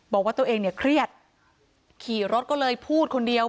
บอกว่าตัวเองเนี่ยเครียดขี่รถก็เลยพูดคนเดียว